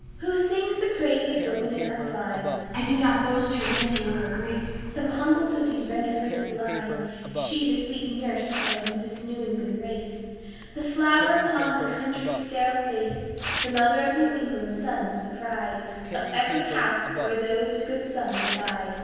"Who sings the praise of woman in our clime? I do not boast her beauty or her grace: Some humble duties render her sublime, She, the sweet nurse of this New England race, The flower upon the country's sterile face; The mother of New England's sons, the pride Of every house where those good sons abide."